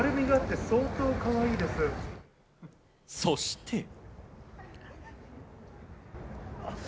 そして。